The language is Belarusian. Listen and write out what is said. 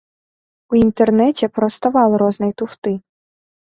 У інтэрнэце проста вал рознай туфты.